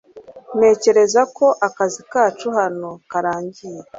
Ntekereza ko akazi kacu hano karangiye .